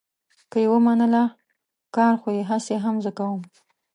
که یې ومنله، کار خو یې هسې هم زه کوم.